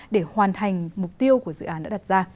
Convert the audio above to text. để hoàn thành mục tiêu của dự án đã đặt ra